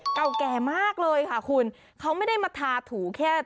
เก่าแก่มากเลยค่ะคุณเขาไม่ได้มาทาถูแค่